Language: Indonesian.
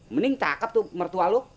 mending takap tuh mertua lu